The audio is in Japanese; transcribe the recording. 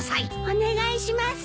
お願いします。